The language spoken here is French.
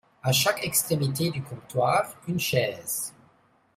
A chaque extrémité du comptoir, une chaise.